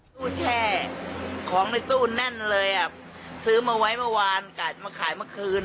ตู้แช่ของในตู้แน่นเลยอ่ะซื้อมาไว้เมื่อวานกะมาขายเมื่อคืน